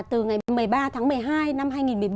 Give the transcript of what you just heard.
từ ngày một mươi ba tháng một mươi hai năm hai nghìn một mươi ba